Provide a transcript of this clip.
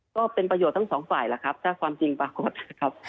ก็เป็นประโยชน์ทั้งสองฝ่ายล่ะครับถ้าความจริงปรากฏนะครับ